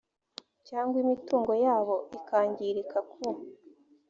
cyangwa imitungo yabo ikangirika ku